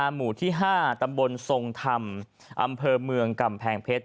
หมู่ที่๕ตำบลทรงธรรมอำเภอเมืองกำแพงเพชร